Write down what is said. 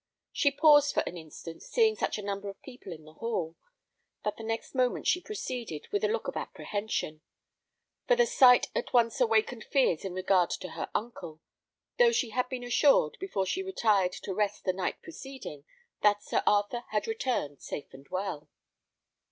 She paused for an instant, seeing such a number of people in the hall; but the next moment she proceeded, with a look of apprehension; for the sight at once awakened fears in regard to her uncle, though she had been assured, before she retired to rest the night preceding, that Sir Arthur had returned safe and well.